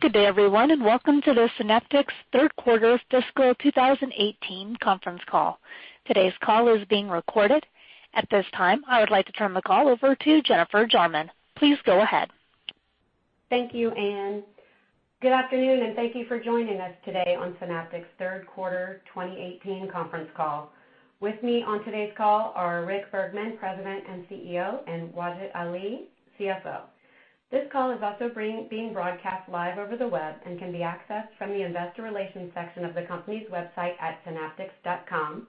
Good day, everyone, welcome to the Synaptics third quarter fiscal 2018 conference call. Today's call is being recorded. At this time, I would like to turn the call over to Jennifer Jarman. Please go ahead. Thank you, Anne. Good afternoon, thank you for joining us today on Synaptics' third quarter 2018 conference call. With me on today's call are Rick Bergman, President and CEO, and Wajid Ali, CFO. This call is also being broadcast live over the web and can be accessed from the investor relations section of the company's website at synaptics.com.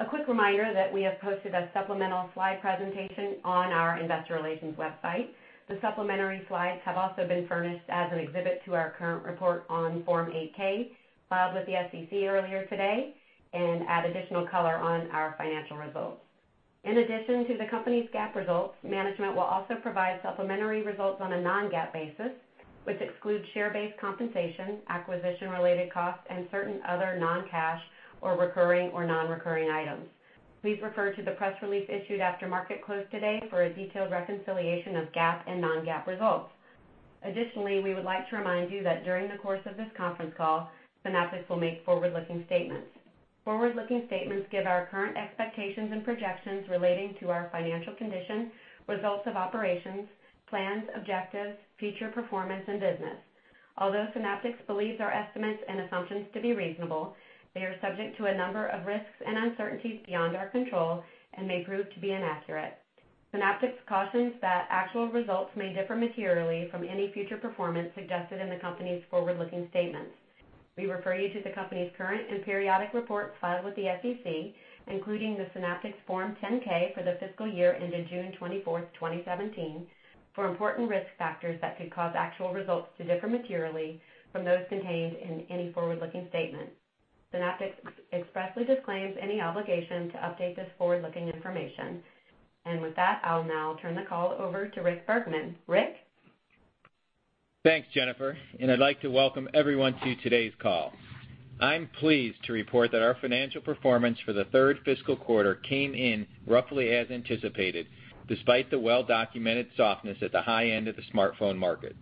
A quick reminder that we have posted a supplemental slide presentation on our investor relations website. The supplementary slides have also been furnished as an exhibit to our current report on Form 8-K, filed with the SEC earlier today, add additional color on our financial results. In addition to the company's GAAP results, management will also provide supplementary results on a non-GAAP basis, which excludes share-based compensation, acquisition related costs, and certain other non-cash or recurring or non-recurring items. Please refer to the press release issued after market close today for a detailed reconciliation of GAAP and non-GAAP results. Additionally, we would like to remind you that during the course of this conference call, Synaptics will make forward-looking statements. Forward-looking statements give our current expectations and projections relating to our financial condition, results of operations, plans, objectives, future performance, and business. Although Synaptics believes our estimates and assumptions to be reasonable, they are subject to a number of risks and uncertainties beyond our control and may prove to be inaccurate. Synaptics cautions that actual results may differ materially from any future performance suggested in the company's forward-looking statements. We refer you to the company's current and periodic reports filed with the SEC, including the Synaptics Form 10-K for the fiscal year ended June 24th, 2017, for important risk factors that could cause actual results to differ materially from those contained in any forward-looking statement. Synaptics expressly disclaims any obligation to update this forward-looking information. With that, I'll now turn the call over to Rick Bergman. Rick? Thanks, Jennifer. I'd like to welcome everyone to today's call. I'm pleased to report that our financial performance for the third fiscal quarter came in roughly as anticipated, despite the well-documented softness at the high end of the smartphone market.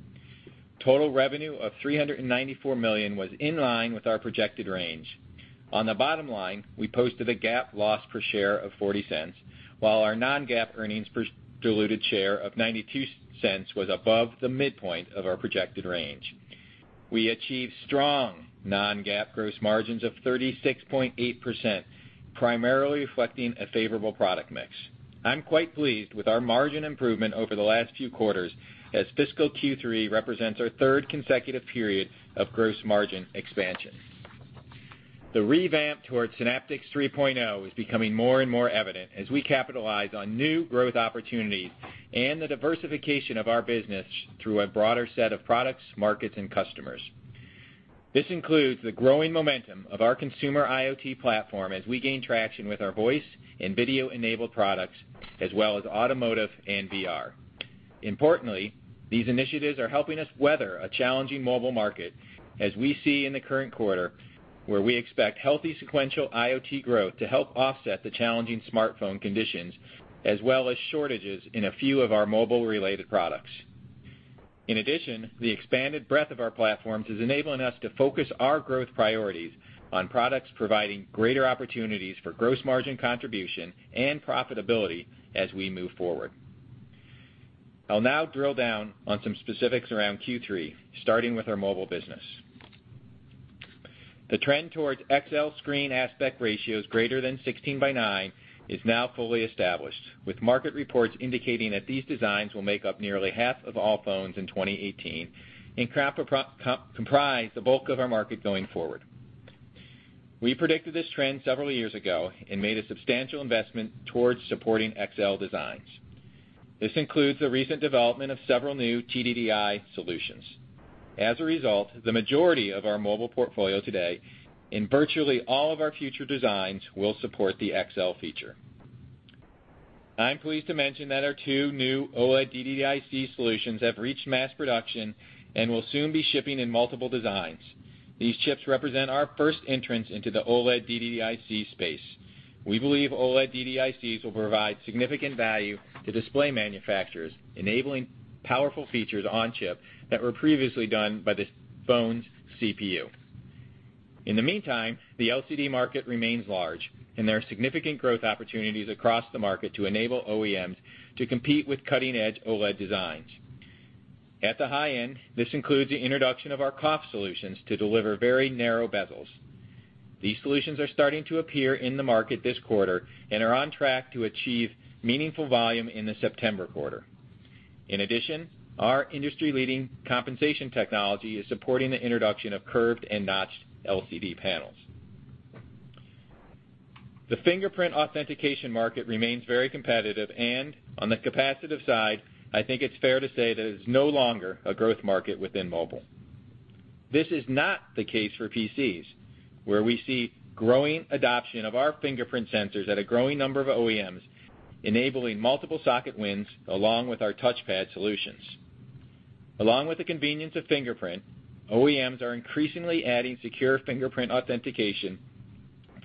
Total revenue of $394 million was in line with our projected range. On the bottom line, we posted a GAAP loss per share of $0.40, while our non-GAAP earnings per diluted share of $0.92 was above the midpoint of our projected range. We achieved strong non-GAAP gross margins of 36.8%, primarily reflecting a favorable product mix. I'm quite pleased with our margin improvement over the last few quarters, as fiscal Q3 represents our third consecutive period of gross margin expansion. The revamp towards Synaptics 3.0 is becoming more and more evident as we capitalize on new growth opportunities and the diversification of our business through a broader set of products, markets, and customers. This includes the growing momentum of our consumer IoT platform as we gain traction with our voice and video-enabled products, as well as automotive and VR. Importantly, these initiatives are helping us weather a challenging mobile market as we see in the current quarter, where we expect healthy sequential IoT growth to help offset the challenging smartphone conditions, as well as shortages in a few of our mobile related products. The expanded breadth of our platforms is enabling us to focus our growth priorities on products providing greater opportunities for gross margin contribution and profitability as we move forward. I'll now drill down on some specifics around Q3, starting with our mobile business. The trend towards XL screen aspect ratios greater than 16 by 9 is now fully established, with market reports indicating that these designs will make up nearly half of all phones in 2018 and comprise the bulk of our market going forward. We predicted this trend several years ago and made a substantial investment towards supporting XL designs. This includes the recent development of several new TDDI solutions. The majority of our mobile portfolio today and virtually all of our future designs will support the XL feature. I'm pleased to mention that our two new OLED DDIC solutions have reached mass production and will soon be shipping in multiple designs. These chips represent our first entrance into the OLED DDIC space. We believe OLED DDICs will provide significant value to display manufacturers, enabling powerful features on chip that were previously done by the phone's CPU. The LCD market remains large, and there are significant growth opportunities across the market to enable OEMs to compete with cutting-edge OLED designs. At the high end, this includes the introduction of our COF solutions to deliver very narrow bezels. These solutions are starting to appear in the market this quarter and are on track to achieve meaningful volume in the September quarter. Our industry-leading compensation technology is supporting the introduction of curved and notched LCD panels. The fingerprint authentication market remains very competitive, and on the capacitive side, I think it's fair to say that it is no longer a growth market within mobile. This is not the case for PCs, where we see growing adoption of our fingerprint sensors at a growing number of OEMs, enabling multiple socket wins along with our touchpad solutions. Along with the convenience of fingerprint, OEMs are increasingly adding secure fingerprint authentication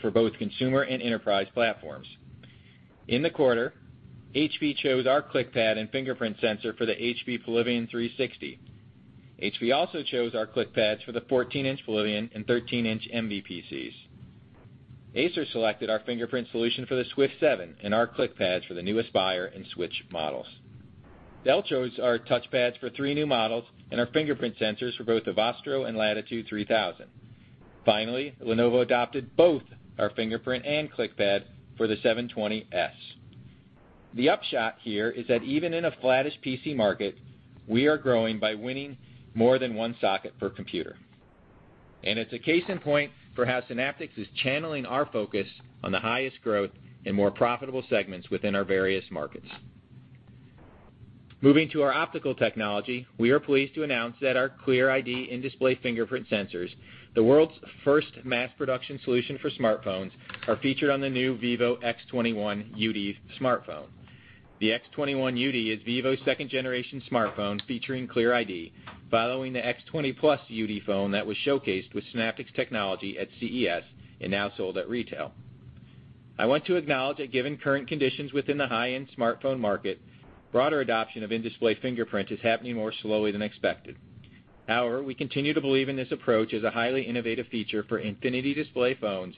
for both consumer and enterprise platforms. In the quarter, HP chose our ClickPad and fingerprint sensor for the HP Pavilion x360. HP also chose our ClickPads for the 14-inch Pavilion and 13-inch ENVY PCs. Acer selected our fingerprint solution for the Swift 7 and our ClickPads for the newest Aspire and Switch models. Dell chose our touchpads for three new models and our fingerprint sensors for both the Vostro and Latitude 3000. Finally, Lenovo adopted both our fingerprint and ClickPad for the IdeaPad 720S. The upshot here is that even in a flattish PC market, we are growing by winning more than one socket per computer. It's a case in point for how Synaptics is channeling our focus on the highest growth and more profitable segments within our various markets. Moving to our optical technology, we are pleased to announce that our Clear ID in-display fingerprint sensors, the world's first mass production solution for smartphones, are featured on the new Vivo X21 UD smartphone. The X21 UD is Vivo's second generation smartphone featuring Clear ID, following the Vivo X20 Plus UD phone that was showcased with Synaptics technology at CES and now sold at retail. I want to acknowledge that given current conditions within the high-end smartphone market, broader adoption of in-display fingerprint is happening more slowly than expected. However, we continue to believe in this approach as a highly innovative feature for infinity display phones,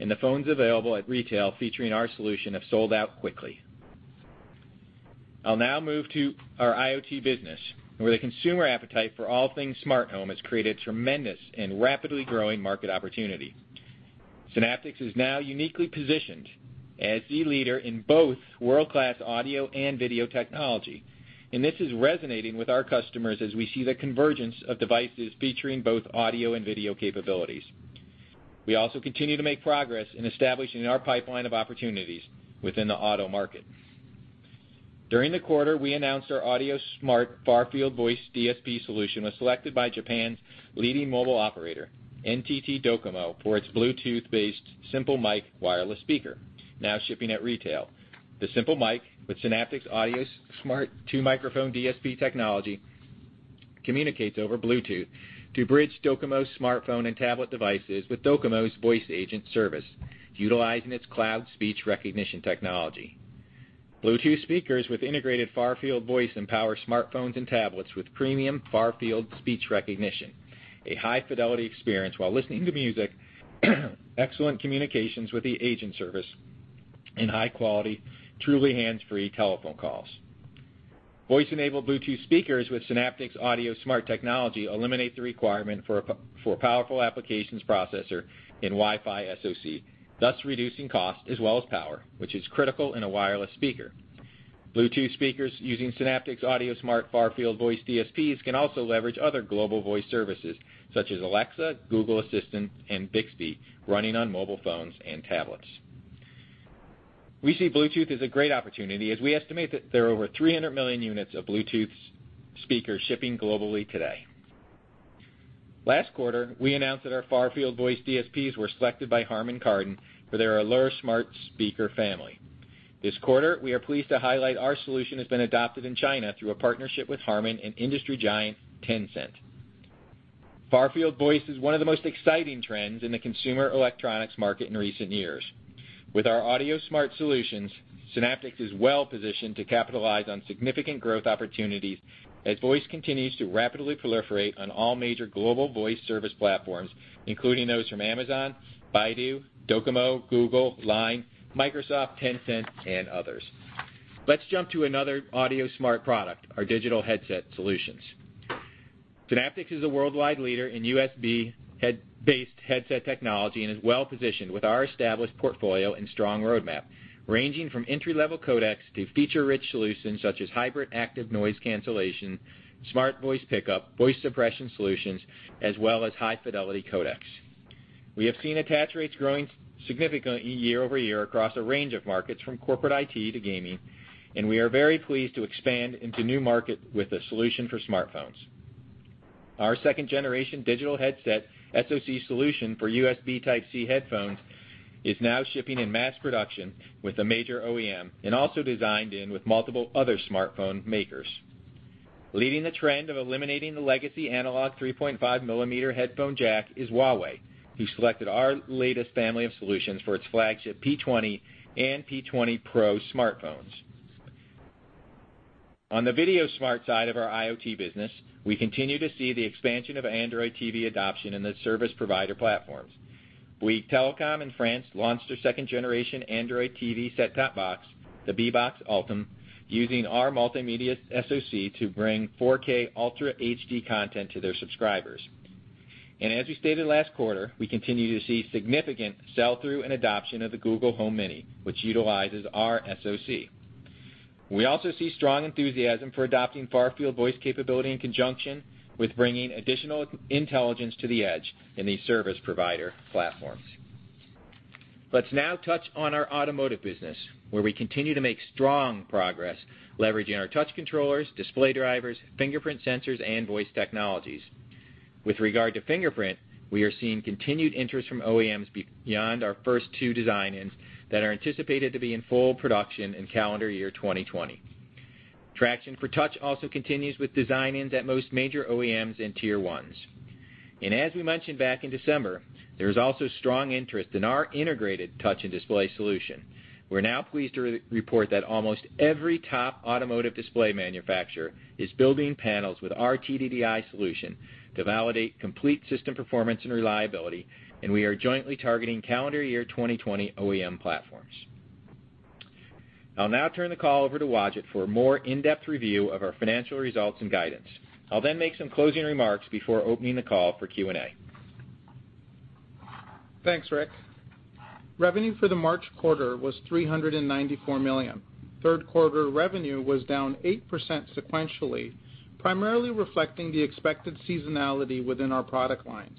and the phones available at retail featuring our solution have sold out quickly. I'll now move to our IoT business, where the consumer appetite for all things smart home has created tremendous and rapidly growing market opportunity. Synaptics is now uniquely positioned as the leader in both world-class audio and video technology, and this is resonating with our customers as we see the convergence of devices featuring both audio and video capabilities. We also continue to make progress in establishing our pipeline of opportunities within the auto market. During the quarter, we announced our AudioSmart Far-Field Voice DSP solution was selected by Japan's leading mobile operator, NTT Docomo, for its Bluetooth-based Simple Mic wireless speaker, now shipping at retail. The Simple Mic, with Synaptics AudioSmart two-microphone DSP technology, communicates over Bluetooth to bridge Docomo's smartphone and tablet devices with Docomo's voice agent service, utilizing its cloud speech recognition technology. Bluetooth speakers with integrated Far-Field Voice empower smartphones and tablets with premium far-field speech recognition, a high-fidelity experience while listening to music, excellent communications with the agent service, and high-quality, truly hands-free telephone calls. Voice-enabled Bluetooth speakers with Synaptics AudioSmart technology eliminate the requirement for a powerful applications processor in Wi-Fi SoC, thus reducing cost as well as power, which is critical in a wireless speaker. Bluetooth speakers using Synaptics AudioSmart Far-Field Voice DSPs can also leverage other global voice services such as Alexa, Google Assistant, and Bixby, running on mobile phones and tablets. We see Bluetooth as a great opportunity, as we estimate that there are over 300 million units of Bluetooth speakers shipping globally today. Last quarter, we announced that our Far-Field Voice DSPs were selected by Harman Kardon for their Allure smart speaker family. This quarter, we are pleased to highlight our solution has been adopted in China through a partnership with Harman and industry giant Tencent. Far-Field Voice is one of the most exciting trends in the consumer electronics market in recent years. With our AudioSmart solutions, Synaptics is well positioned to capitalize on significant growth opportunities as Voice continues to rapidly proliferate on all major global voice service platforms, including those from Amazon, Baidu, Docomo, Google, Line, Microsoft, Tencent, and others. Let's jump to another AudioSmart product, our digital headset solutions. Synaptics is a worldwide leader in USB-based headset technology and is well positioned with our established portfolio and strong roadmap, ranging from entry-level codecs to feature-rich solutions such as hybrid active noise cancellation, smart voice pickup, voice suppression solutions, as well as high-fidelity codecs. We have seen attach rates growing significantly year-over-year across a range of markets from corporate IT to gaming. We are very pleased to expand into new market with a solution for smartphones. Our second generation digital headset SoC solution for USB Type-C headphones is now shipping in mass production with a major OEM, and also designed in with multiple other smartphone makers. Leading the trend of eliminating the legacy analog 3.5 millimeter headphone jack is Huawei, who selected our latest family of solutions for its flagship P20 and P20 Pro smartphones. On the VideoSmart side of our IoT business, we continue to see the expansion of Android TV adoption in the service provider platforms. Bouygues Telecom in France launched their second generation Android TV set-top box, the Bbox ultym, using our multimedia SoC to bring 4K ultra HD content to their subscribers. As we stated last quarter, we continue to see significant sell-through and adoption of the Google Home Mini, which utilizes our SoC. We also see strong enthusiasm for adopting Far-Field Voice capability in conjunction with bringing additional intelligence to the edge in these service provider platforms. Let's now touch on our automotive business, where we continue to make strong progress leveraging our touch controllers, display drivers, fingerprint sensors, and voice technologies. With regard to fingerprint, we are seeing continued interest from OEMs beyond our first two design wins that are anticipated to be in full production in calendar year 2020. Traction for touch also continues with design-ins at most major OEMs and Tier 1s. As we mentioned back in December, there is also strong interest in our integrated touch and display solution. We're now pleased to report that almost every top automotive display manufacturer is building panels with our TDDI solution to validate complete system performance and reliability, and we are jointly targeting calendar year 2020 OEM platforms. I'll now turn the call over to Wajid for a more in-depth review of our financial results and guidance. I'll then make some closing remarks before opening the call for Q&A. Thanks, Rick. Revenue for the March quarter was $394 million. Third quarter revenue was down 8% sequentially, primarily reflecting the expected seasonality within our product lines.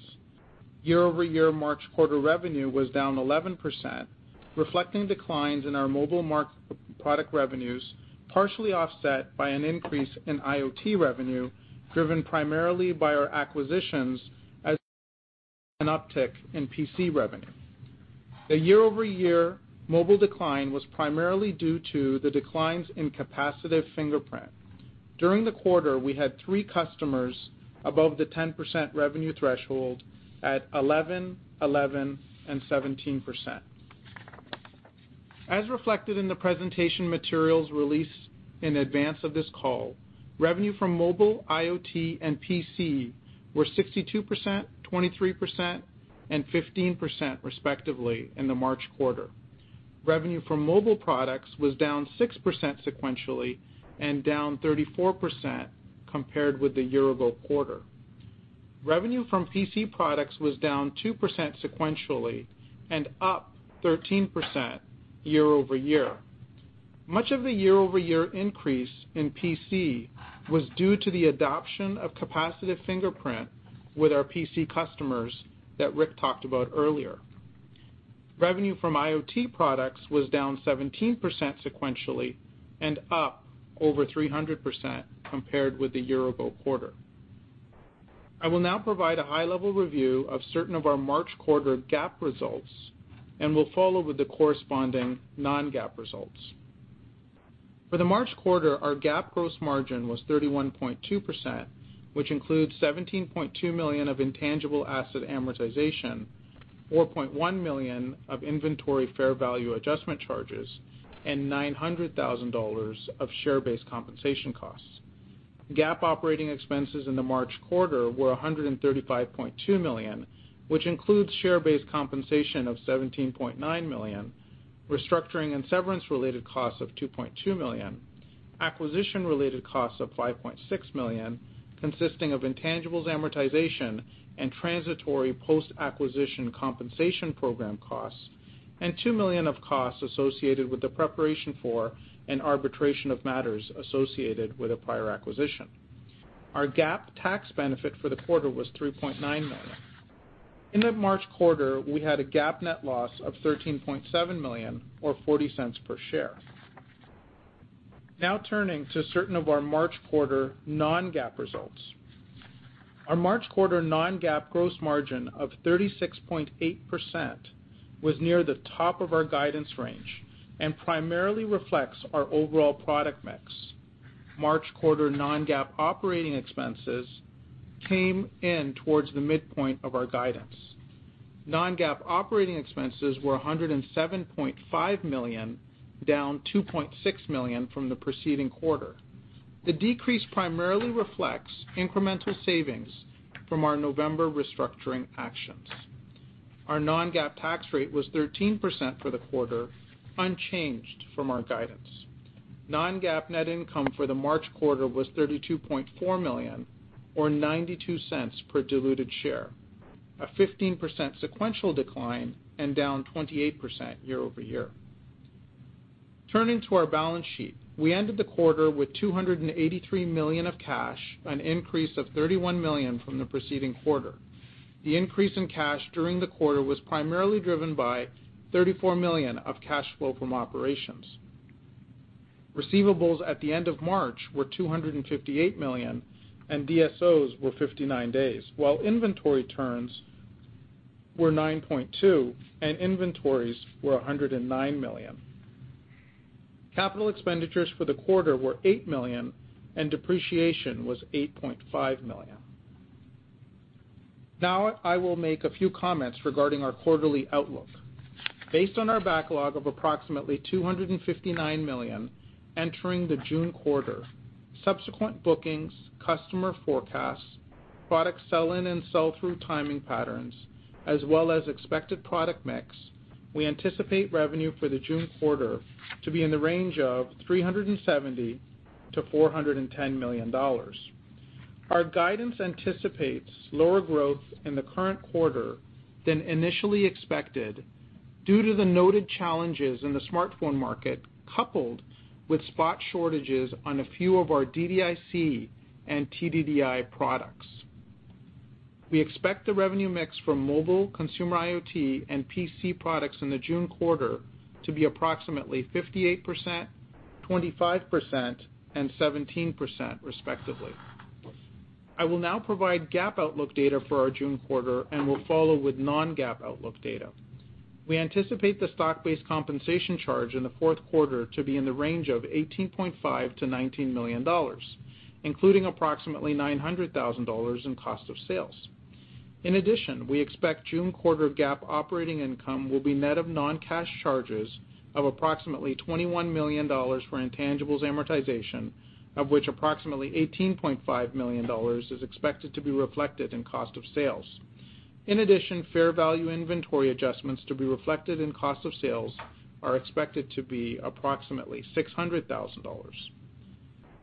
Year-over-year March quarter revenue was down 11%, reflecting declines in our mobile product revenues, partially offset by an increase in IoT revenue, driven primarily by our acquisitions, as well as an uptick in PC revenue. The year-over-year mobile decline was primarily due to the declines in capacitive fingerprint. During the quarter, we had three customers above the 10% revenue threshold at 11%, 11%, and 17%. As reflected in the presentation materials released in advance of this call, revenue from mobile, IoT, and PC were 62%, 23%, and 15%, respectively, in the March quarter. Revenue from mobile products was down 6% sequentially and down 34% compared with the year-ago quarter. Revenue from PC products was down 2% sequentially and up 13% year-over-year. Much of the year-over-year increase in PC was due to the adoption of capacitive fingerprint with our PC customers that Rick talked about earlier. Revenue from IoT products was down 17% sequentially and up over 300% compared with the year-ago quarter. I will now provide a high-level review of certain of our March quarter GAAP results and will follow with the corresponding non-GAAP results. For the March quarter, our GAAP gross margin was 31.2%, which includes $17.2 million of intangible asset amortization, $4.1 million of inventory fair value adjustment charges, and $900,000 of share-based compensation costs. GAAP operating expenses in the March quarter were $135.2 million, which includes share-based compensation of $17.9 million, restructuring and severance-related costs of $2.2 million, acquisition-related costs of $5.6 million, consisting of intangibles amortization and transitory post-acquisition compensation program costs, and $2 million of costs associated with the preparation for and arbitration of matters associated with a prior acquisition. Our GAAP tax benefit for the quarter was $3.9 million. In the March quarter, we had a GAAP net loss of $13.7 million, or $0.40 per share. Now turning to certain of our March quarter non-GAAP results. Our March quarter non-GAAP gross margin of 36.8% was near the top of our guidance range and primarily reflects our overall product mix. March quarter non-GAAP operating expenses came in towards the midpoint of our guidance. Non-GAAP operating expenses were $107.5 million, down $2.6 million from the preceding quarter. The decrease primarily reflects incremental savings from our November restructuring actions. Our non-GAAP tax rate was 13% for the quarter, unchanged from our guidance. Non-GAAP net income for the March quarter was $32.4 million, or $0.92 per diluted share, a 15% sequential decline and down 28% year-over-year. Turning to our balance sheet. We ended the quarter with $283 million of cash, an increase of $31 million from the preceding quarter. The increase in cash during the quarter was primarily driven by $34 million of cash flow from operations. Receivables at the end of March were $258 million, and DSO were 59 days, while inventory turns were 9.2 and inventories were $109 million. Capital expenditures for the quarter were $8 million, and depreciation was $8.5 million. Now, I will make a few comments regarding our quarterly outlook. Based on our backlog of approximately $259 million entering the June quarter, subsequent bookings, customer forecasts, product sell-in and sell-through timing patterns, as well as expected product mix, we anticipate revenue for the June quarter to be in the range of $370 million-$410 million. Our guidance anticipates lower growth in the current quarter than initially expected due to the noted challenges in the smartphone market, coupled with spot shortages on a few of our DDIC and TDDI products. We expect the revenue mix from mobile, consumer IoT, and PC products in the June quarter to be approximately 58%, 25%, and 17%, respectively. I will now provide GAAP outlook data for our June quarter and will follow with non-GAAP outlook data. We anticipate the stock-based compensation charge in the fourth quarter to be in the range of $18.5 million-$19 million, including approximately $900,000 in cost of sales. We expect June quarter GAAP operating income will be net of non-cash charges of approximately $21 million for intangibles amortization, of which approximately $18.5 million is expected to be reflected in cost of sales. Fair value inventory adjustments to be reflected in cost of sales are expected to be approximately $600,000.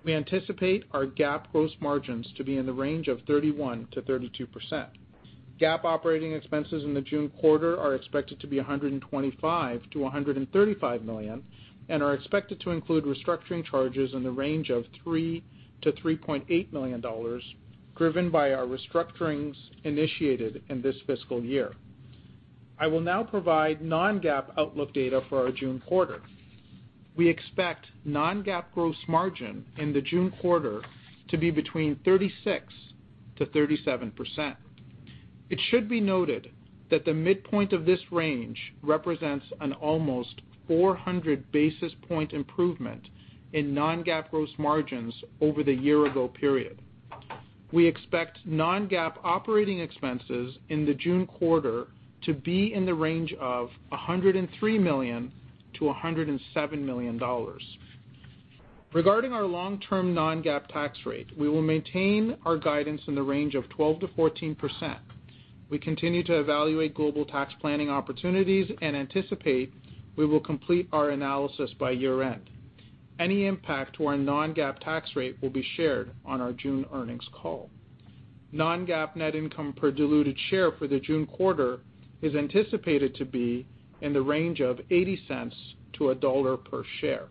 We anticipate our GAAP gross margins to be in the range of 31%-32%. GAAP operating expenses in the June quarter are expected to be $125 million-$135 million and are expected to include restructuring charges in the range of $3 million-$3.8 million, driven by our restructurings initiated in this fiscal year. I will now provide non-GAAP outlook data for our June quarter. We expect non-GAAP gross margin in the June quarter to be between 36%-37%. It should be noted that the midpoint of this range represents an almost 400-basis point improvement in non-GAAP gross margins over the year-ago period. We expect non-GAAP operating expenses in the June quarter to be in the range of $103 million-$107 million. Regarding our long-term non-GAAP tax rate, we will maintain our guidance in the range of 12%-14%. We continue to evaluate global tax planning opportunities and anticipate we will complete our analysis by year-end. Any impact to our non-GAAP tax rate will be shared on our June earnings call. Non-GAAP net income per diluted share for the June quarter is anticipated to be in the range of $0.80-$1.00 per share.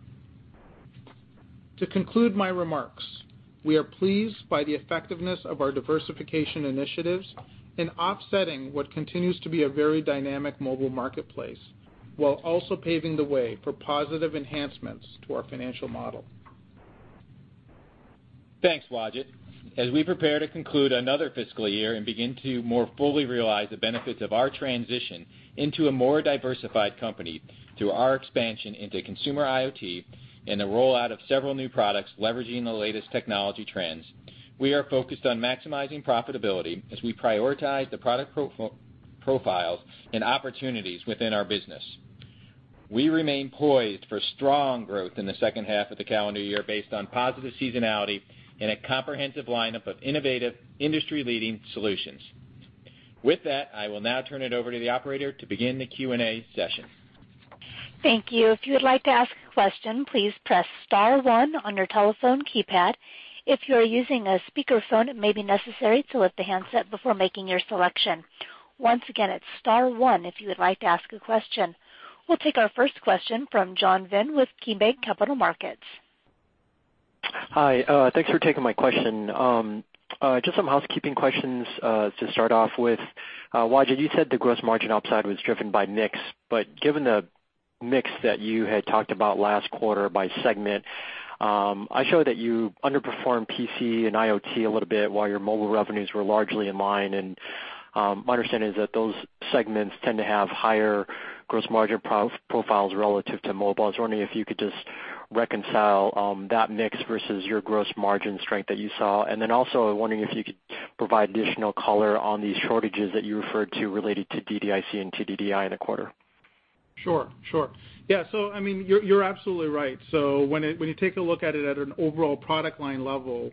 To conclude my remarks, we are pleased by the effectiveness of our diversification initiatives in offsetting what continues to be a very dynamic mobile marketplace, while also paving the way for positive enhancements to our financial model. Thanks, Wajid. As we prepare to conclude another fiscal year and begin to more fully realize the benefits of our transition into a more diversified company through our expansion into consumer IoT and the rollout of several new products leveraging the latest technology trends, we are focused on maximizing profitability as we prioritize the product profiles and opportunities within our business. We remain poised for strong growth in the second half of the calendar year based on positive seasonality and a comprehensive lineup of innovative, industry-leading solutions. With that, I will now turn it over to the operator to begin the Q&A session. Thank you. If you would like to ask a question, please press *1 on your telephone keypad. If you are using a speakerphone, it may be necessary to lift the handset before making your selection. Once again, it's *1 if you would like to ask a question. We'll take our first question from John Vinh with KeyBanc Capital Markets. Hi. Thanks for taking my question. Just some housekeeping questions to start off with. Wajid, you said the gross margin upside was driven by mix, given the mix that you had talked about last quarter by segment, I show that you underperformed PC and IoT a little bit while your mobile revenues were largely in line. My understanding is that those segments tend to have higher gross margin profiles relative to mobile. I was wondering if you could just reconcile that mix versus your gross margin strength that you saw. Then also, I was wondering if you could provide additional color on these shortages that you referred to related to DDIC and TDDI in the quarter. Sure. Yeah, you're absolutely right. When you take a look at it at an overall product line level,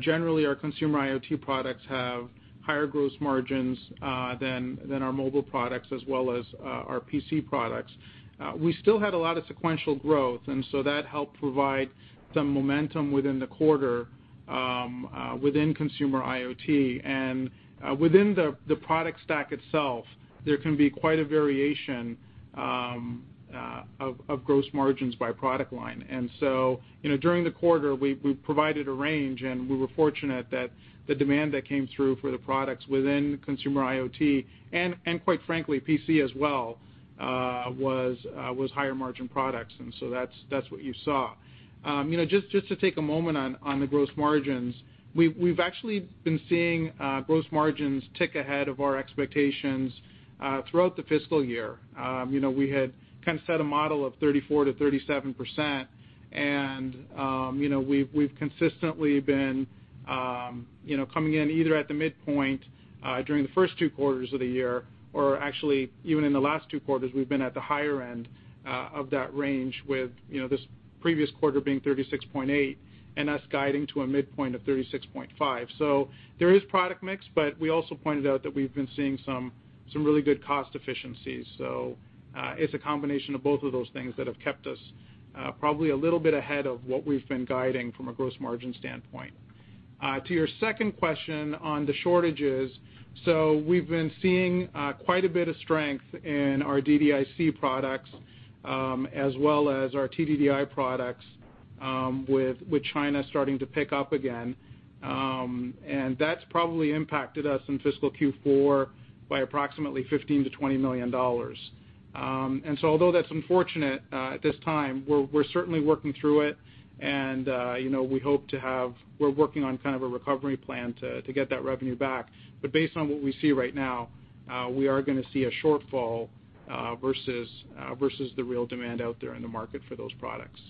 generally our consumer IoT products have higher gross margins than our mobile products as well as our PC products. We still had a lot of sequential growth, that helped provide some momentum within the quarter within consumer IoT. Within the product stack itself, there can be quite a variation of gross margins by product line. During the quarter, we provided a range, and we were fortunate that the demand that came through for the products within consumer IoT and quite frankly, PC as well, was higher margin products. That's what you saw. Just to take a moment on the gross margins, we've actually been seeing gross margins tick ahead of our expectations throughout the fiscal year. We had kind of set a model of 34%-37%, and we've consistently been coming in either at the midpoint during the first two quarters of the year, or actually even in the last two quarters, we've been at the higher end of that range with this previous quarter being 36.8%, and us guiding to a midpoint of 36.5%. There is product mix, but we also pointed out that we've been seeing some really good cost efficiencies. It's a combination of both of those things that have kept us probably a little bit ahead of what we've been guiding from a gross margin standpoint. To your second question on the shortages, we've been seeing quite a bit of strength in our DDIC products as well as our TDDI products, with China starting to pick up again. That's probably impacted us in fiscal Q4 by approximately $15 million-$20 million. Although that's unfortunate at this time, we're certainly working through it, and we're working on kind of a recovery plan to get that revenue back. Based on what we see right now, we are going to see a shortfall versus the real demand out there in the market for those products.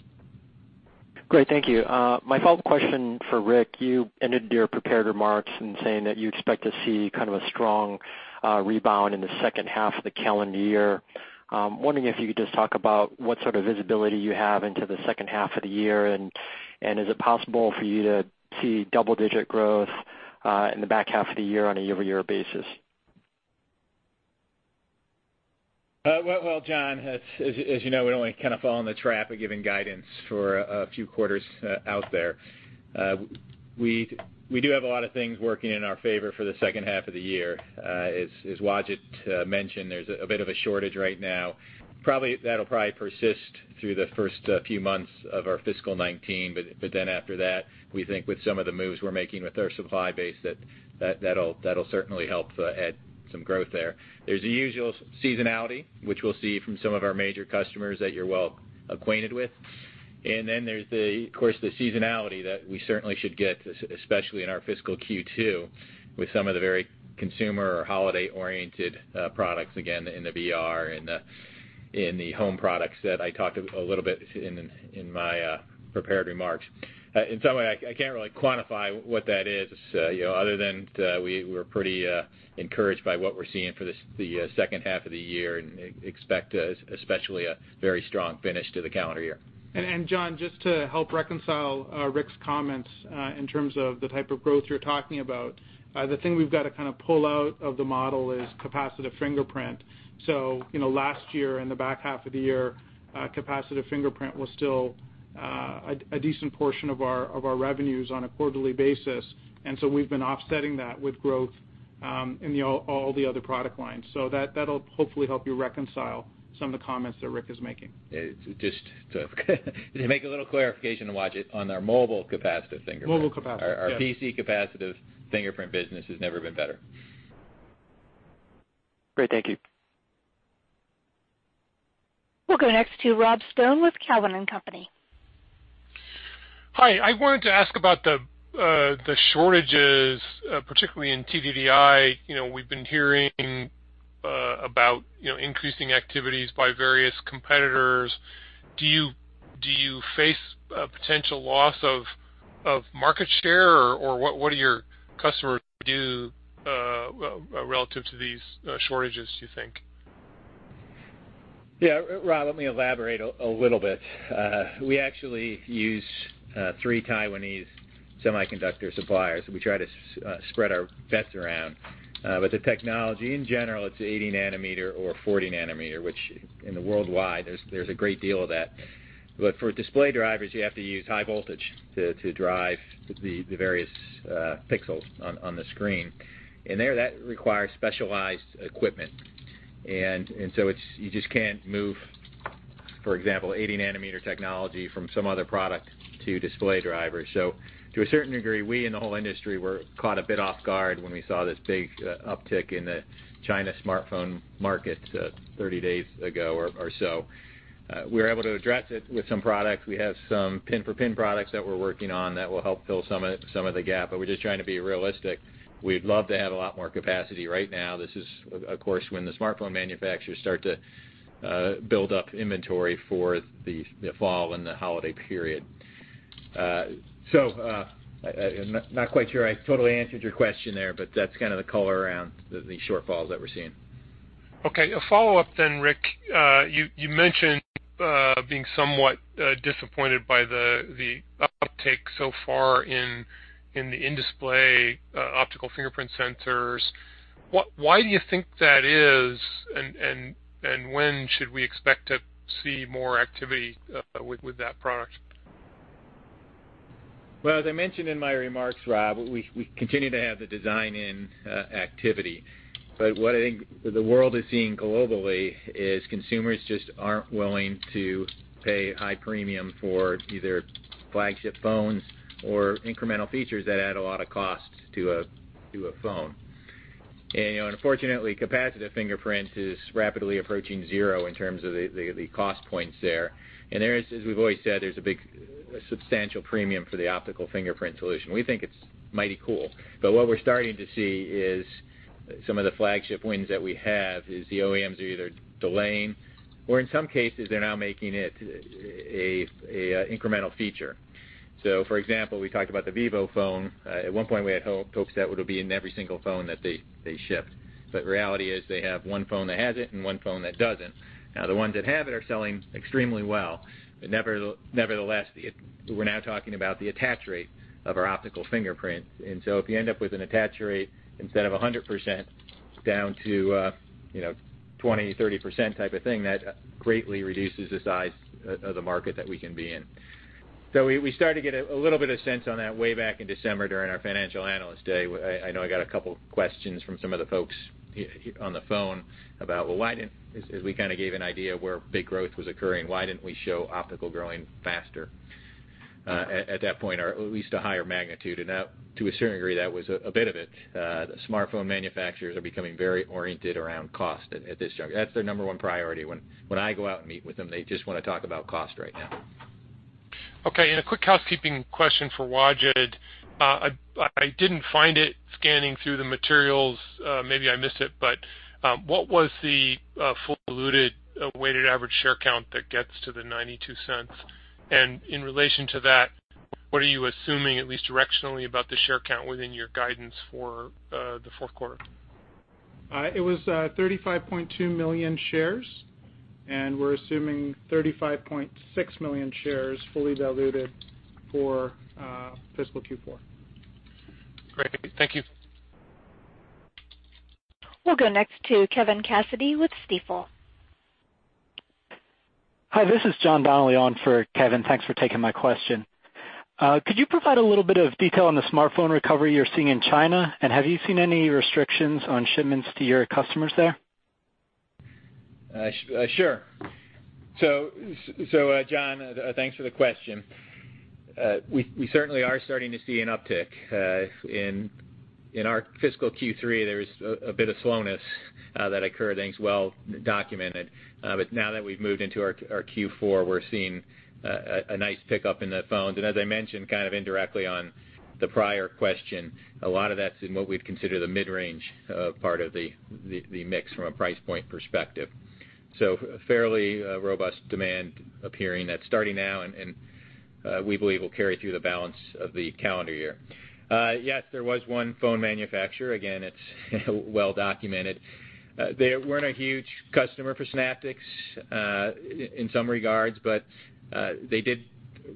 Great. Thank you. My follow-up question for Rick, you ended your prepared remarks in saying that you expect to see kind of a strong rebound in the second half of the calendar year. I'm wondering if you could just talk about what sort of visibility you have into the second half of the year, and is it possible for you to see double-digit growth in the back half of the year on a year-over-year basis? Well, John, as you know, we don't want to kind of fall in the trap of giving guidance for a few quarters out there. We do have a lot of things working in our favor for the second half of the year. As Wajid mentioned, there's a bit of a shortage right now. That'll probably persist through the first few months of our fiscal 2019, after that, we think with some of the moves we're making with our supply base, that'll certainly help add some growth there. There's the usual seasonality, which we'll see from some of our major customers that you're well acquainted with. There's, of course, the seasonality that we certainly should get, especially in our fiscal Q2, with some of the very consumer or holiday-oriented products, again, in the VR and in the home products that I talked a little bit in my prepared remarks. In some way, I can't really quantify what that is other than we're pretty encouraged by what we're seeing for the second half of the year and expect especially a very strong finish to the calendar year. John, just to help reconcile Rick's comments in terms of the type of growth you're talking about, the thing we've got to kind of pull out of the model is capacitive fingerprint. Last year, in the back half of the year, capacitive fingerprint was still a decent portion of our revenues on a quarterly basis. We've been offsetting that with growth in all the other product lines. That'll hopefully help you reconcile some of the comments that Rick is making. Just to make a little clarification, Wajid, on our mobile capacitive fingerprint. Mobile capacitive, yes. Our PC capacitive fingerprint business has never been better. Great. Thank you. We'll go next to Rob Stone with Cowen and Company. Hi. I wanted to ask about the shortages, particularly in TDDI. We've been hearing about increasing activities by various competitors. Do you face a potential loss of market share, or what are your customers do relative to these shortages, do you think? Yeah, Rob, let me elaborate a little bit. We actually use three Taiwanese semiconductor suppliers, so we try to spread our bets around. The technology in general, it's 80 nanometer or 40 nanometer, which in the worldwide, there's a great deal of that. For display drivers, you have to use high voltage to drive the various pixels on the screen. There, that requires specialized equipment. You just can't move, for example, 80 nanometer technology from some other product to display drivers. To a certain degree, we and the whole industry were caught a bit off guard when we saw this big uptick in the China smartphone market 30 days ago or so. We were able to address it with some products. We have some pin-for-pin products that we're working on that will help fill some of the gap, but we're just trying to be realistic. We'd love to have a lot more capacity right now. This is, of course, when the smartphone manufacturers start to build up inventory for the fall and the holiday period. I'm not quite sure I totally answered your question there, but that's kind of the color around the shortfalls that we're seeing. Okay. A follow-up, Rick. You mentioned being somewhat disappointed by the uptake so far in the in-display optical fingerprint sensors. Why do you think that is, and when should we expect to see more activity with that product? Well, as I mentioned in my remarks, Rob, we continue to have the design-in activity. What I think the world is seeing globally is consumers just aren't willing to pay high premium for either flagship phones or incremental features that add a lot of cost to a phone. Unfortunately, capacitive fingerprint is rapidly approaching zero in terms of the cost points there. There is, as we've always said, there's a big, substantial premium for the optical fingerprint solution. We think it's mighty cool. What we're starting to see is some of the flagship wins that we have is the OEMs are either delaying or in some cases, they're now making it an incremental feature. For example, we talked about the Vivo phone. At one point, we had hoped that it would be in every single phone that they ship. Reality is they have one phone that has it and one phone that doesn't. The ones that have it are selling extremely well. Nevertheless, we're now talking about the attach rate of our optical fingerprint. If you end up with an attach rate instead of 100% down to 20%, 30% type of thing, that greatly reduces the size of the market that we can be in. We started to get a little bit of sense on that way back in December during our financial analyst day. I know I got a couple questions from some of the folks on the phone about, as we kind of gave an idea where big growth was occurring, why didn't we show optical growing faster at that point, or at least a higher magnitude. That, to a certain degree, that was a bit of it. Smartphone manufacturers are becoming very oriented around cost at this juncture. That's their number 1 priority. When I go out and meet with them, they just want to talk about cost right now. A quick housekeeping question for Wajid. I didn't find it scanning through the materials. Maybe I missed it, but what was the full diluted weighted average share count that gets to the $0.92? In relation to that, what are you assuming at least directionally about the share count within your guidance for the fourth quarter? It was 35.2 million shares, and we're assuming 35.6 million shares fully diluted for fiscal Q4. Great. Thank you. We'll go next to Kevin Cassidy with Stifel. Hi, this is John Donnelly on for Kevin. Thanks for taking my question. Could you provide a little bit of detail on the smartphone recovery you're seeing in China? Have you seen any restrictions on shipments to your customers there? Sure. John, thanks for the question. We certainly are starting to see an uptick. In our fiscal Q3, there was a bit of slowness that occurred, I think it's well documented. Now that we've moved into our Q4, we're seeing a nice pickup in the phones. As I mentioned kind of indirectly on the prior question, a lot of that's in what we'd consider the mid-range part of the mix from a price point perspective. Fairly robust demand appearing that's starting now, and we believe will carry through the balance of the calendar year. Yes, there was one phone manufacturer. Again, it's well-documented. They weren't a huge customer for Synaptics, in some regards, but they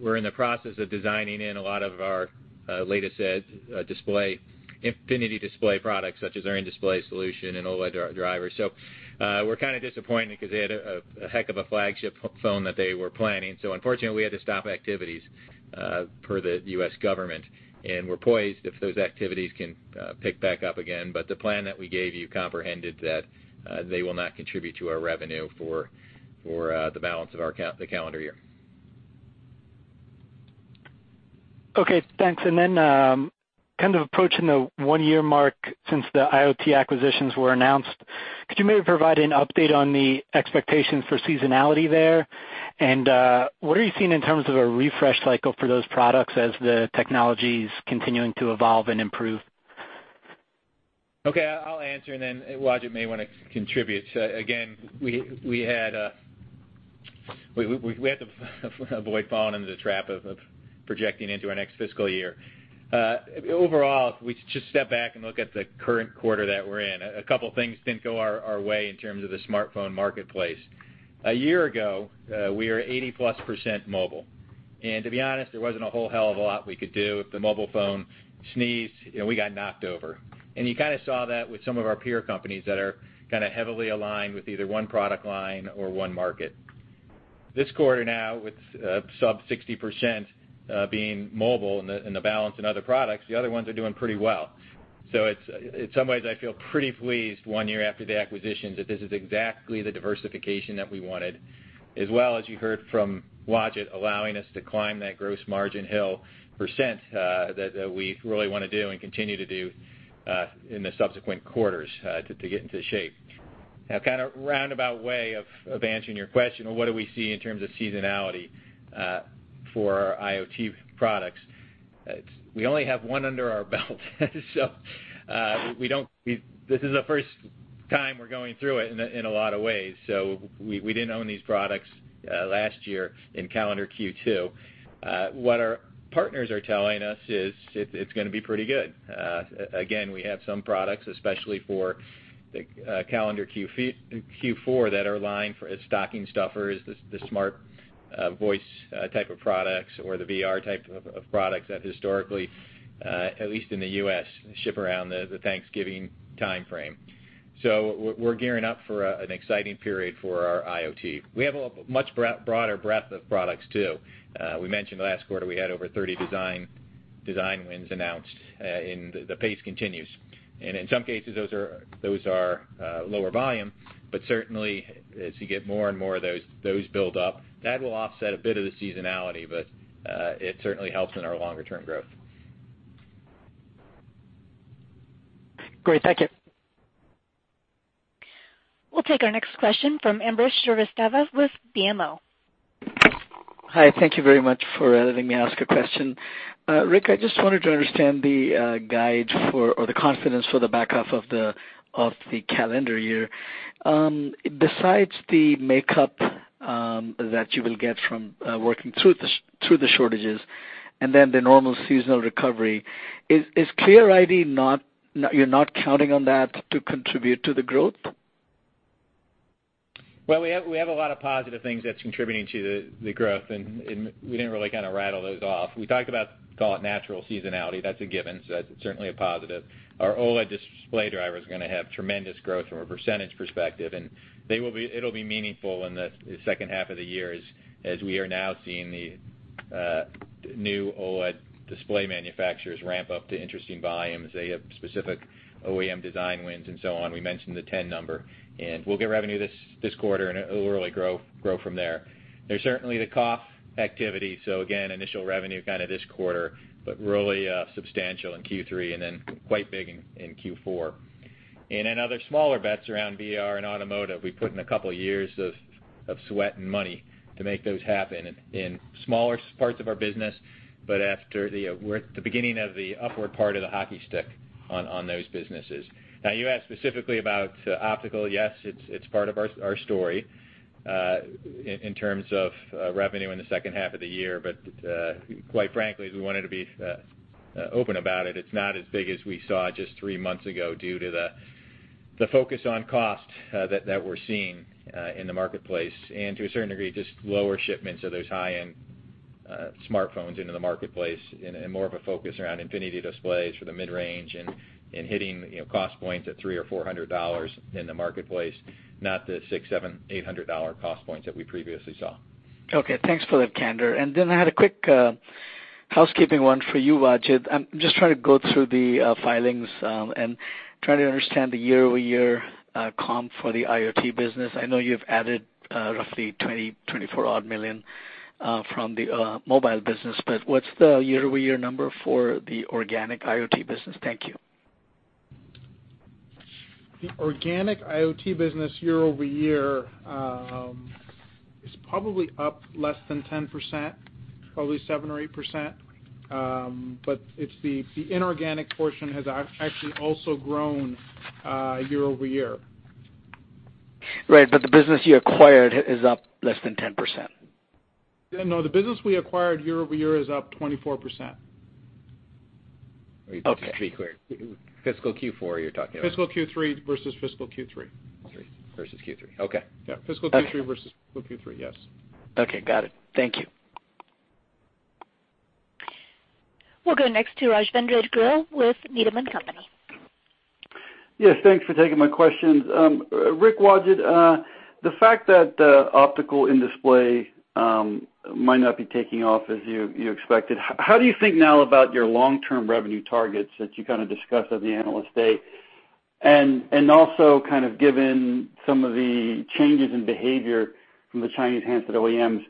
were in the process of designing in a lot of our latest edge infinity display products, such as our in-display solution and OLED driver. We're kind of disappointed because they had a heck of a flagship phone that they were planning. Unfortunately, we had to stop activities per the U.S. government, and we're poised if those activities can pick back up again. The plan that we gave you comprehended that they will not contribute to our revenue for the balance of the calendar year. Okay, thanks. Kind of approaching the one-year mark since the IoT acquisitions were announced, could you maybe provide an update on the expectations for seasonality there? What are you seeing in terms of a refresh cycle for those products as the technology's continuing to evolve and improve? Okay, I'll answer, and then Wajid may want to contribute. Again, we have to avoid falling into the trap of projecting into our next fiscal year. Overall, if we just step back and look at the current quarter that we're in, a couple of things didn't go our way in terms of the smartphone marketplace. A year ago, we were 80%-plus mobile. To be honest, there wasn't a whole hell of a lot we could do. If the mobile phone sneezed, we got knocked over. You kind of saw that with some of our peer companies that are kind of heavily aligned with either one product line or one market. This quarter now, with sub 60% being mobile and the balance in other products, the other ones are doing pretty well. In some ways, I feel pretty pleased one year after the acquisition that this is exactly the diversification that we wanted, as well as you heard from Wajid, allowing us to climb that gross margin hill percent, that we really want to do and continue to do, in the subsequent quarters to get into shape. Now, kind of a roundabout way of answering your question of what do we see in terms of seasonality for our IoT products. We only have one under our belt. This is the first time we're going through it in a lot of ways. We didn't own these products last year in calendar Q2. What our partners are telling us is it's going to be pretty good. We have some products, especially for calendar Q4, that are aligned for stocking stuffers, the smart voice type of products, or the VR type of products that historically, at least in the U.S., ship around the Thanksgiving timeframe. We're gearing up for an exciting period for our IoT. We have a much broader breadth of products, too. We mentioned last quarter we had over 30 design wins announced, and the pace continues. In some cases, those are lower volume, but certainly as you get more and more of those build up, that will offset a bit of the seasonality, but it certainly helps in our longer-term growth. Great. Thank you. We'll take our next question from Ambrish Srivastava with BMO. Hi. Thank you very much for letting me ask a question. Rick, I just wanted to understand the guide, or the confidence for the back half of the calendar year. Besides the makeup that you will get from working through the shortages and then the normal seasonal recovery, is Clear ID, you're not counting on that to contribute to the growth? Well, we have a lot of positive things that's contributing to the growth, and we didn't really kind of rattle those off. We talked about call it natural seasonality. That's a given. That's certainly a positive. Our OLED display driver is going to have tremendous growth from a percentage perspective, and it'll be meaningful in the second half of the year as we are now seeing the new OLED display manufacturers ramp up to interesting volumes. They have specific OEM design wins and so on. We mentioned the 10 number, and we'll get revenue this quarter, and it'll really grow from there. There's certainly the COF activity, so again, initial revenue kind of this quarter, but really substantial in Q3 and then quite big in Q4. In other smaller bets around VR and automotive, we put in a couple of years of sweat and money to make those happen in smaller parts of our business. We're at the beginning of the upward part of the hockey stick on those businesses. You asked specifically about optical. Yes, it's part of our story, in terms of revenue in the second half of the year. Quite frankly, we wanted to be open about it. It's not as big as we saw just three months ago due to the focus on cost that we're seeing in the marketplace, and to a certain degree, just lower shipments of those high-end smartphones into the marketplace and more of a focus around Infinity displays for the mid-range and hitting cost points at $300 or $400 in the marketplace, not the $600, $700, $800 cost points that we previously saw. Okay. Thanks for that candor. I had a quick housekeeping one for you, Wajid. I'm just trying to go through the filings and trying to understand the year-over-year comp for the IoT business. I know you've added roughly 20, 24-odd million from the mobile business, but what's the year-over-year number for the organic IoT business? Thank you. The organic IoT business year-over-year is probably up less than 10%, probably 7% or 8%. It's the inorganic portion has actually also grown year-over-year. Right, the business you acquired is up less than 10%. No, the business we acquired year-over-year is up 24%. To be clear, fiscal Q4, you're talking about? Fiscal Q3 versus fiscal Q3. Q3 versus Q3. Okay. Yeah. Fiscal Q3 versus fiscal Q3. Yes. Okay, got it. Thank you. We'll go next to Rajvindra Gill with Needham & Company. Yes, thanks for taking my questions. Rick, Wajid, the fact that the optical in-display might not be taking off as you expected, how do you think now about your long-term revenue targets that you kind of discussed at the Analyst Day? Also kind of given some of the changes in behavior from the Chinese handset OEMs,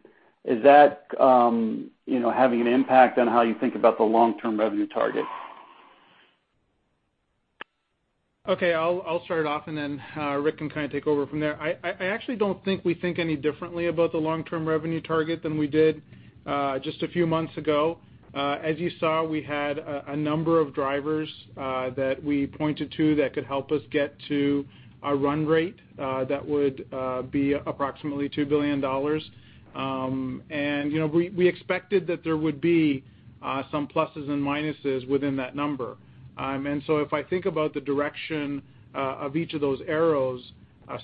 is that having an impact on how you think about the long-term revenue target? Okay. I'll start off, Rick can kind of take over from there. I actually don't think we think any differently about the long-term revenue target than we did just a few months ago. As you saw, we had a number of drivers that we pointed to that could help us get to a run rate that would be approximately $2 billion. We expected that there would be some pluses and minuses within that number. If I think about the direction of each of those arrows,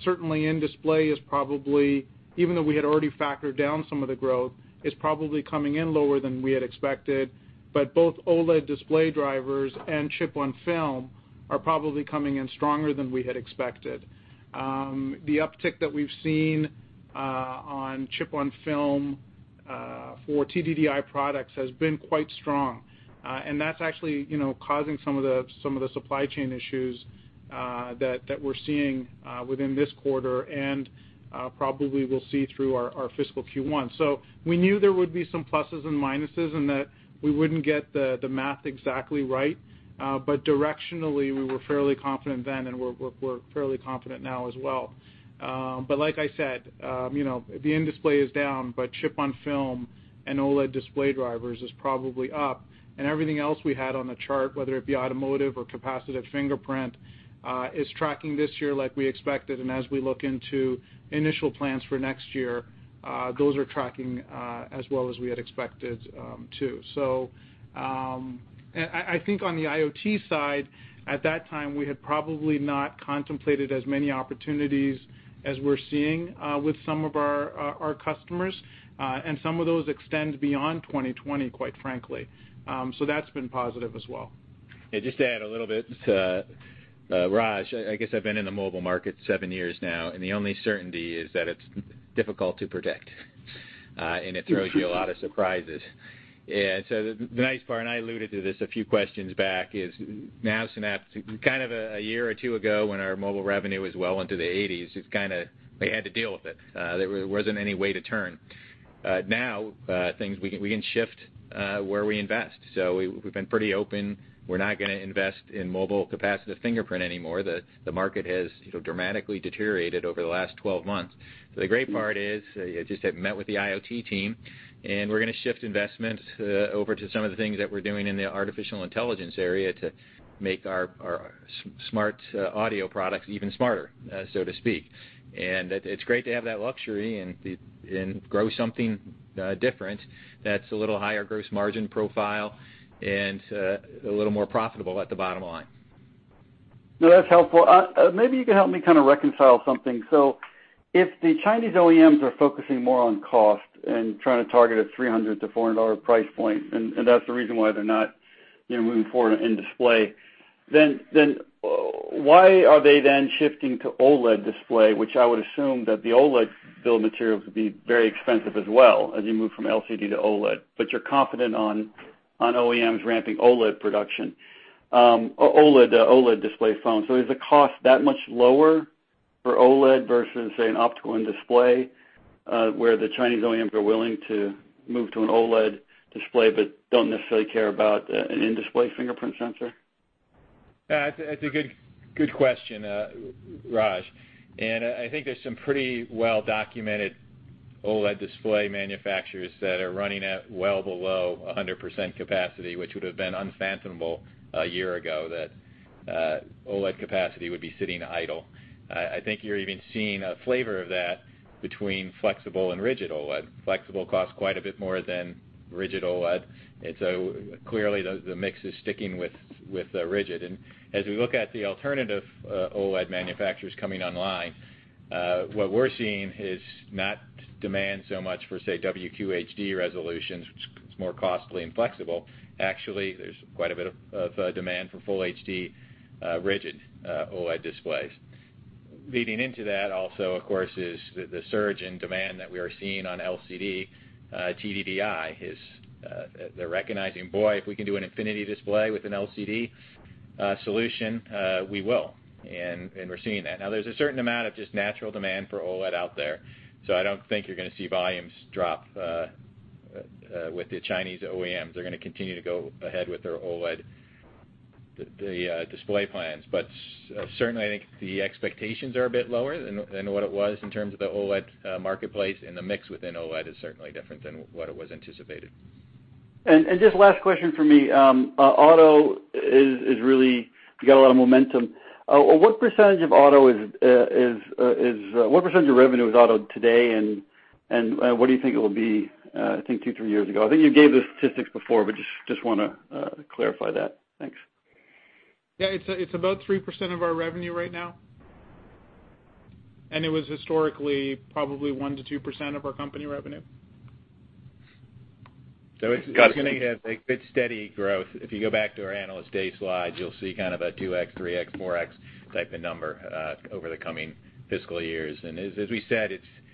certainly in-display is probably, even though we had already factored down some of the growth, is probably coming in lower than we had expected. Both OLED display drivers and chip-on-film are probably coming in stronger than we had expected. The uptick that we've seen on chip-on-film for TDDI products has been quite strong. That's actually causing some of the supply chain issues that we're seeing within this quarter and probably will see through our fiscal Q1. We knew there would be some pluses and minuses, and that we wouldn't get the math exactly right. Directionally, we were fairly confident then, and we're fairly confident now as well. Like I said, the in-display is down, chip-on-film and OLED display drivers is probably up, everything else we had on the chart, whether it be automotive or capacitive fingerprint, is tracking this year like we expected. As we look into initial plans for next year, those are tracking as well as we had expected, too. I think on the IoT side, at that time, we had probably not contemplated as many opportunities as we're seeing with some of our customers. Some of those extend beyond 2020, quite frankly. That's been positive as well. Yeah, just to add a little bit, Raj, I guess I've been in the mobile market seven years now, and the only certainty is that it's difficult to predict, and it throws you a lot of surprises. Yeah, the nice part, and I alluded to this a few questions back, is now Synaptics, kind of a year or 2 ago when our mobile revenue was well into the 80s, we had to deal with it. There wasn't any way to turn. Now, we can shift where we invest. We've been pretty open. We're not going to invest in mobile capacitive fingerprint anymore. The market has dramatically deteriorated over the last 12 months. The great part is, I just had met with the IoT team, we're going to shift investment over to some of the things that we're doing in the artificial intelligence area to make our smart audio products even smarter, so to speak. It's great to have that luxury and grow something different that's a little higher gross margin profile and a little more profitable at the bottom line. No, that's helpful. Maybe you could help me kind of reconcile something. If the Chinese OEMs are focusing more on cost and trying to target a $300-$400 price point, that's the reason why they're not moving forward in display, why are they then shifting to OLED display, which I would assume that the OLED build materials would be very expensive as well as you move from LCD to OLED, but you're confident on OEMs ramping OLED production, OLED display phones. Is the cost that much lower for OLED versus, say, an optical in-display where the Chinese OEMs are willing to move to an OLED display but don't necessarily care about an in-display fingerprint sensor? That's a good question, Raj, I think there's some pretty well-documented OLED display manufacturers that are running at well below 100% capacity, which would have been unfathomable a year ago, that OLED capacity would be sitting idle. I think you're even seeing a flavor of that between flexible and rigid OLED. Flexible costs quite a bit more than rigid OLED, clearly, the mix is sticking with rigid. As we look at the alternative OLED manufacturers coming online, what we're seeing is not demand so much for, say, WQHD resolutions, which is more costly and flexible. Actually, there's quite a bit of demand for full HD rigid OLED displays. Leading into that also, of course, is the surge in demand that we are seeing on LCD TDDI. They're recognizing, boy, if we can do an infinity display with an LCD solution, we will. We're seeing that. There's a certain amount of just natural demand for OLED out there. I don't think you're going to see volumes drop with the Chinese OEMs. They're going to continue to go ahead with their OLED display plans. Certainly, I think the expectations are a bit lower than what it was in terms of the OLED marketplace, and the mix within OLED is certainly different than what it was anticipated. Just last question from me. Auto is really got a lot of momentum. What percentage of revenue is Auto today, and what do you think it will be, I think two, three years ago? I think you gave the statistics before, but just want to clarify that. Thanks. Yeah. It's about 3% of our revenue right now, and it was historically probably 1%-2% of our company revenue. It's going to have a good, steady growth. If you go back to our Analyst Day slides, you'll see kind of a 2x, 3x, 4x type of number over the coming fiscal years. As we said,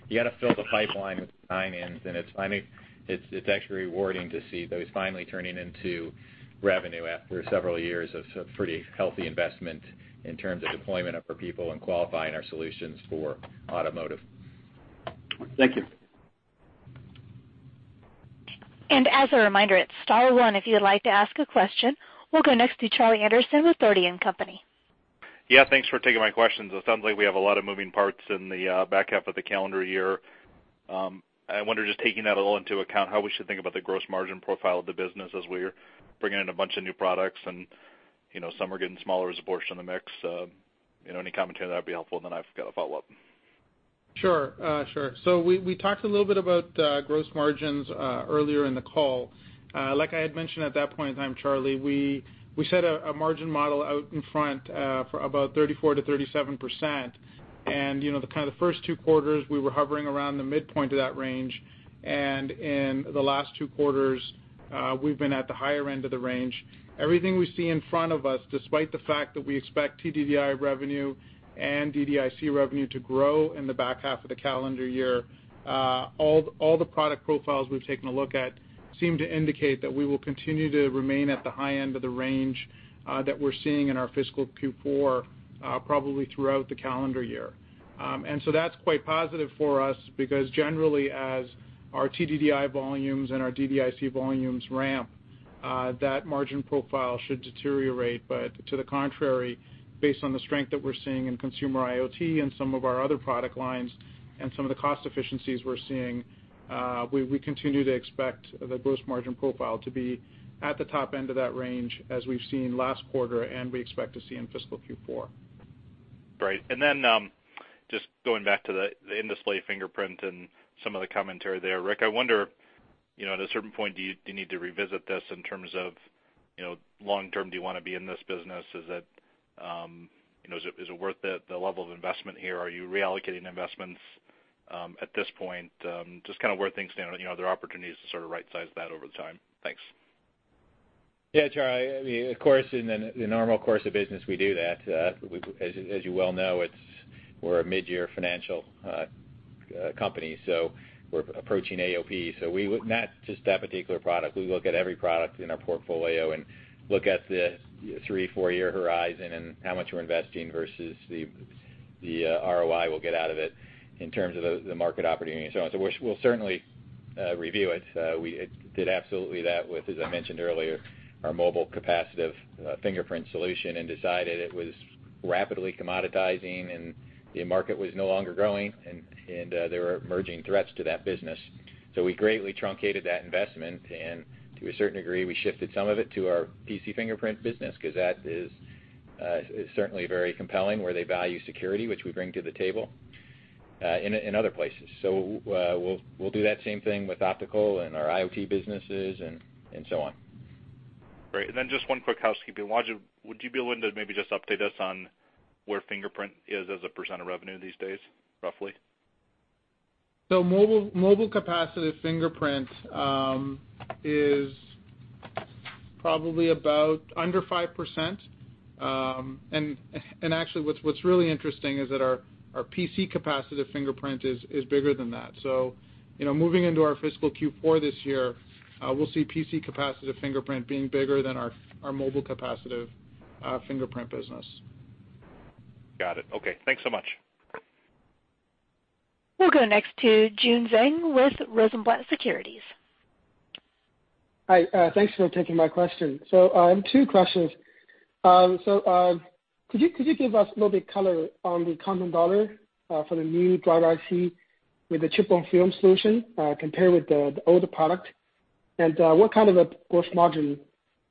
you got to fill the pipeline with design-ins, and it's actually rewarding to see those finally turning into revenue after several years of pretty healthy investment in terms of deployment of our people and qualifying our solutions for automotive. Thank you. As a reminder, it's star one if you'd like to ask a question. We'll go next to Charlie Anderson with Dougherty & Company. Yeah, thanks for taking my questions. It sounds like we have a lot of moving parts in the back half of the calendar year. I wonder, just taking that all into account, how we should think about the gross margin profile of the business as we're bringing in a bunch of new products and some are getting smaller as a portion of the mix. Any commentary on that would be helpful, and then I've got a follow-up. Sure. We talked a little bit about gross margins earlier in the call. Like I had mentioned at that point in time, Charlie, we set a margin model out in front for about 34%-37%. The first two quarters, we were hovering around the midpoint of that range. In the last two quarters, we've been at the higher end of the range. Everything we see in front of us, despite the fact that we expect TDDI revenue and DDIC revenue to grow in the back half of the calendar year, all the product profiles we've taken a look at seem to indicate that we will continue to remain at the high end of the range that we're seeing in our fiscal Q4, probably throughout the calendar year. That's quite positive for us because generally, as our TDDI volumes and our DDIC volumes ramp, that margin profile should deteriorate. To the contrary, based on the strength that we're seeing in consumer IoT and some of our other product lines and some of the cost efficiencies we're seeing, we continue to expect the gross margin profile to be at the top end of that range as we've seen last quarter, and we expect to see in fiscal Q4. Great. Just going back to the in-display fingerprint and some of the commentary there, Rick, I wonder at a certain point, do you need to revisit this in terms of long-term, do you want to be in this business? Is it worth the level of investment here? Are you reallocating investments at this point? Just kind of where things stand. Are there opportunities to sort of right-size that over time? Thanks. Yeah, Charlie, of course, in the normal course of business, we do that. As you well know, we're a mid-year financial company, we're approaching AOP. Not just that particular product. We look at every product in our portfolio and look at the three, four-year horizon and how much we're investing versus the ROI we'll get out of it in terms of the market opportunity and so on. We'll certainly review it. We did absolutely that with, as I mentioned earlier, our mobile capacitive fingerprint solution and decided it was rapidly commoditizing and the market was no longer growing and there were emerging threats to that business. We greatly truncated that investment and to a certain degree, we shifted some of it to our PC fingerprint business because that is certainly very compelling, where they value security, which we bring to the table in other places. We'll do that same thing with optical and our IoT businesses and so on. Great. Just one quick housekeeping. Wajid, would you be willing to maybe just update us on where fingerprint is as a % of revenue these days, roughly? Mobile capacitive fingerprint is probably about under 5%. Actually, what's really interesting is that our PC capacitive fingerprint is bigger than that. Moving into our fiscal Q4 this year, we'll see PC capacitive fingerprint being bigger than our mobile capacitive fingerprint business. Got it. Okay, thanks so much. We'll go next to Jun Zhang with Rosenblatt Securities. Hi, thanks for taking my question. Two questions. Could you give us a little bit of color on the common dollar for the new driver IC with the chip-on-film solution, compared with the older product? What kind of a gross margin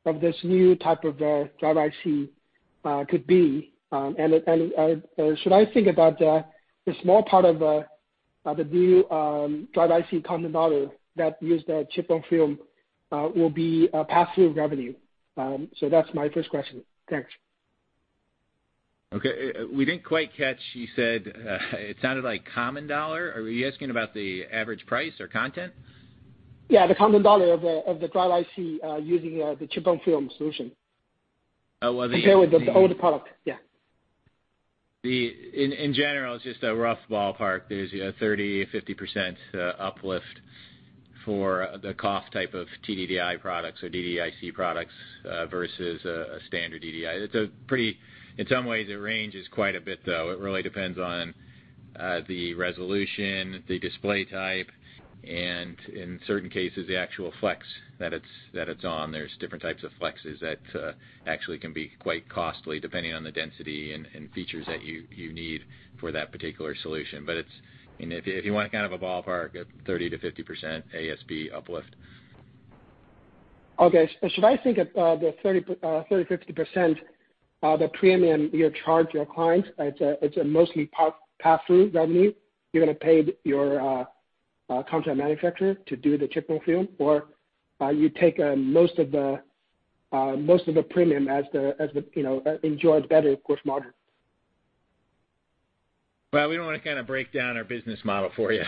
of this new type of driver IC could be? Should I think about the small part of the new driver IC common dollar that use the chip-on-film will be a pass-through revenue? That's my first question. Thanks. Okay. We didn't quite catch, you said, it sounded like common dollar. Are you asking about the average price or content? Yeah, the common dollar of the driver IC, using the chip-on-film solution. Oh, well the- Compared with the older product. Yeah. In general, it's just a rough ballpark. There's 30%-50% uplift for the COF type of TDDI products or DDIC products, versus a standard DDI. In some ways it ranges quite a bit, though. It really depends on the resolution, the display type, and in certain cases, the actual flex that it's on. There's different types of flexes that actually can be quite costly depending on the density and features that you need for that particular solution. If you want kind of a ballpark, 30%-50% ASP uplift. Okay. Should I think of the 30%-50% the premium you charge your client, it's a mostly pass-through revenue? You're going to pay your contract manufacturer to do the chip-on-film, or you take most of the premium as, enjoy a better gross margin? Well, we don't want to kind of break down our business model for you.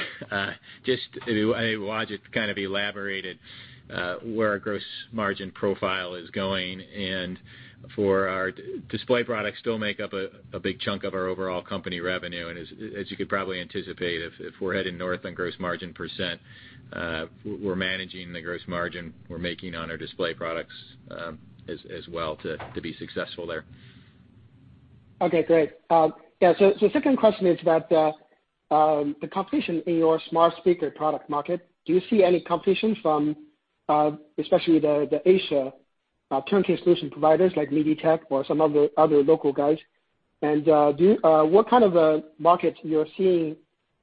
Wajid kind of elaborated where our gross margin % profile is going. For our display products still make up a big chunk of our overall company revenue, and as you could probably anticipate, if we're heading north on gross margin %, we're managing the gross margin we're making on our display products as well to be successful there. Okay, great. What kind of a market you're seeing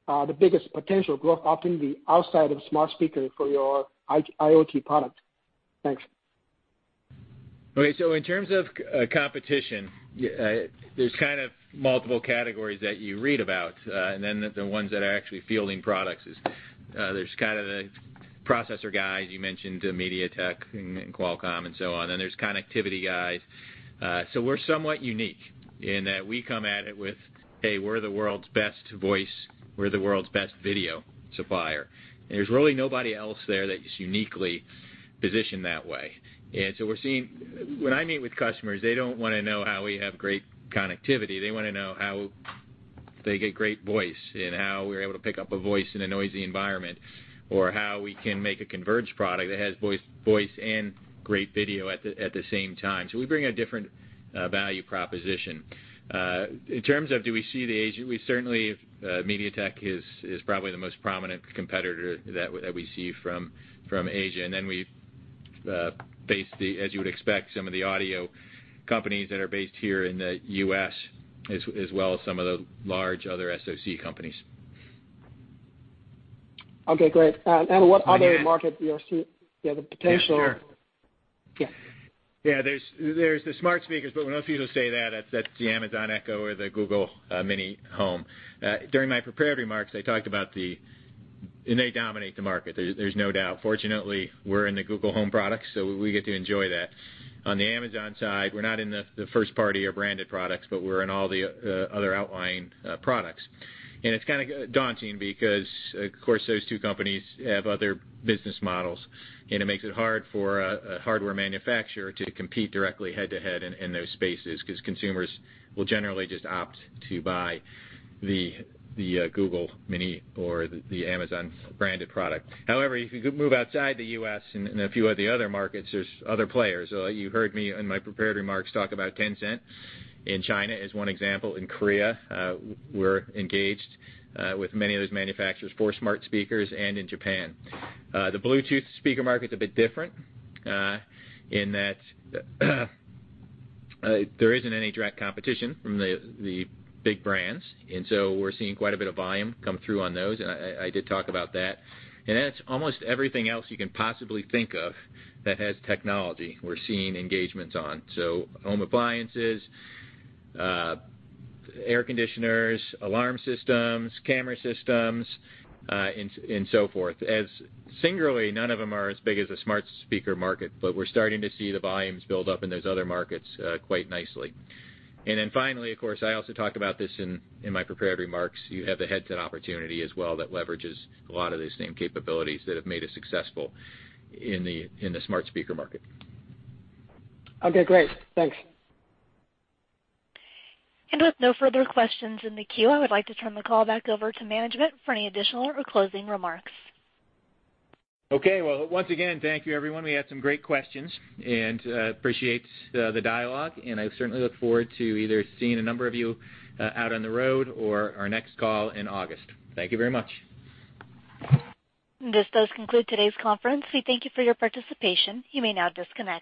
the biggest potential growth opportunity outside of smart speaker for your IoT product? Thanks. In terms of competition, there's kind of multiple categories that you read about, the ones that are actually fielding products is there's kind of the processor guys, you mentioned MediaTek and Qualcomm and so on, there's connectivity guys. We're somewhat unique in that we come at it with, hey, we're the world's best voice, we're the world's best video supplier, and there's really nobody else there that is uniquely positioned that way. We're seeing when I meet with customers, they don't want to know how we have great connectivity. They want to know how they get great voice and how we're able to pick up a voice in a noisy environment, or how we can make a converged product that has voice and great video at the same time. We bring a different value proposition. In terms of do we see the Asia, we certainly, MediaTek is probably the most prominent competitor that we see from Asia. We face the, as you would expect, some of the audio companies that are based here in the U.S. as well as some of the large other SoC companies. Okay, great. What other market you are seeing the potential Yeah, sure. Yeah. There's the smart speakers, but we don't usually say that. That's the Amazon Echo or the Google Home Mini. They dominate the market, there's no doubt. Fortunately, we're in the Google Home products, so we get to enjoy that. On the Amazon side, we're not in the first party or branded products, but we're in all the other outlying products. It's kind of daunting because, of course, those two companies have other business models, and it makes it hard for a hardware manufacturer to compete directly head-to-head in those spaces, because consumers will generally just opt to buy the Google Home Mini or the Amazon branded product. However, if you move outside the U.S. in a few of the other markets, there's other players. You heard me in my prepared remarks talk about Tencent in China as one example. In Korea, we're engaged with many of those manufacturers for smart speakers and in Japan. The Bluetooth speaker market's a bit different in that there isn't any direct competition from the big brands, so we're seeing quite a bit of volume come through on those. I did talk about that. It's almost everything else you can possibly think of that has technology we're seeing engagements on. So home appliances, air conditioners, alarm systems, camera systems, and so forth. Singularly, none of them are as big as the smart speaker market, but we're starting to see the volumes build up in those other markets quite nicely. Finally, of course, I also talked about this in my prepared remarks, you have the headset opportunity as well that leverages a lot of these same capabilities that have made us successful in the smart speaker market. Okay, great. Thanks. With no further questions in the queue, I would like to turn the call back over to management for any additional or closing remarks. Okay. Well, once again, thank you, everyone. We had some great questions, appreciate the dialogue, I certainly look forward to either seeing a number of you out on the road or our next call in August. Thank you very much. This does conclude today's conference. We thank you for your participation. You may now disconnect.